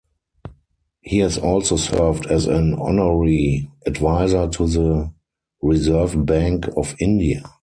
He has also served as an honorary advisor to the Reserve Bank of India.